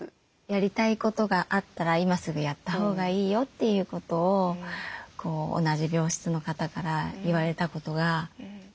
やりたいことがあったら今すぐやったほうがいいよっていうことを同じ病室の方から言われたことがずっと支えになってる。